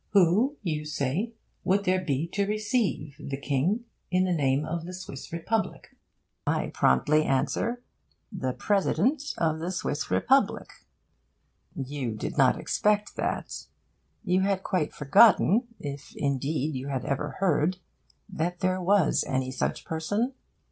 'Who,' you ask, 'would there be to receive the King in the name of the Swiss nation?' I promptly answer, 'The President of the Swiss Republic.' You did not expect that. You had quite forgotten, if indeed you had ever heard, that there was any such person.